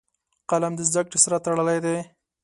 قلم له زده کړې سره تړلی دی